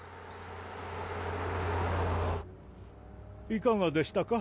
いかがでしたか？